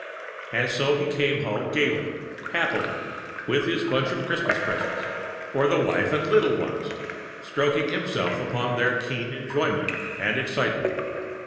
And so he came home gaily, happily, with his bunch of Christmas presents "for the wife and little ones," stroking himself upon their keen enjoyment and excitement.